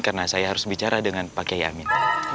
karena saya harus bicara dengan pak kyai amin